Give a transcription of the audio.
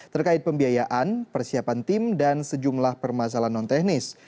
terkait pembiayaan persiapan tim dan sejumlah permasalahan non teknis